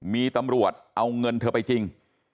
มีตำรวจเอาเงินเธอไปจริง